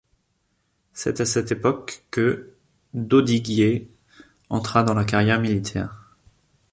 C'est à cette époque que d’Audiguier entra dans la carrière militaire.